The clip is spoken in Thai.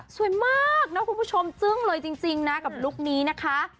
สวยมากนะคุณผู้ชมจึ้งเลยจริงนะกับลุคนี้นะคะ